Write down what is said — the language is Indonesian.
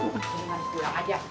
bukan ada sejurang aja